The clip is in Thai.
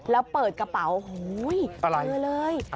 แล้วเปิดกระเป๋าโอ้โหเจอเลย